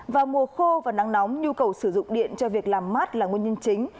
vào mùa khô và nắng nóng nhu cầu sử dụng điện cho việc làm mát là nguồn nhân chính